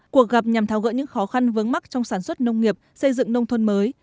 cuộc gặp nhằm tháo gỡ những khó khăn vớng mắc trong sản xuất nông nghiệp xây dựng nông thôn mới